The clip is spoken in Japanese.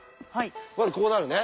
まずこうなるね。